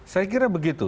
saya kira begitu